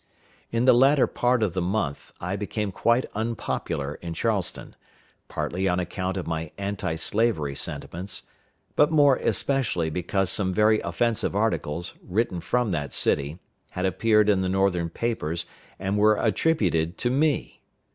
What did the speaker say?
In the latter part of the month I became quite unpopular in Charleston; partly on account of my anti slavery sentiments, but more especially because some very offensive articles, written from that city, had appeared in the Northern papers, and were attributed to me.